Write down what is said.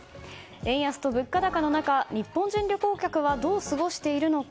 円安と物価高の中日本人旅行客はどう過ごしているのか。